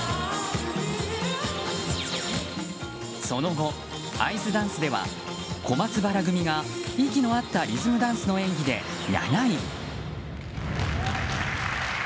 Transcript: その後、アイスダンスでは小松原組が息の合ったリズムダンスの演技で７位。